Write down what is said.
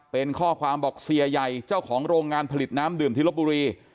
เป็นข้อความบอกเสียใหญ่เจ้าของโรงงานผลิตน้ำดื่มที่ลบบุรี